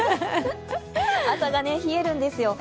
朝が冷えるんですよ。